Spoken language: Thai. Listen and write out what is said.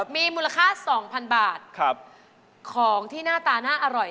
มีมูลค่า๒๐๐๐บาทของที่หน้าตาน่าอร่อย